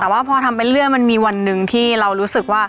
แต่ว่าพอทำไปเรื่อยมันมีวันหนึ่งที่เรารู้สึกว่า